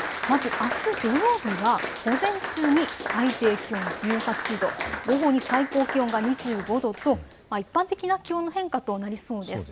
あす土曜日は午前中に最低気温１８度、午後に最高気温が２５度と一般的な気温の変化となりそうです。